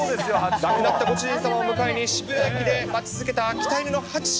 亡くなったご主人様をお迎えに、渋谷駅で待ち続けた秋田犬のハチ。